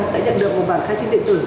sẽ nhận được một bản khai sinh điện tử